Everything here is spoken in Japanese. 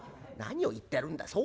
「何を言ってるんだ。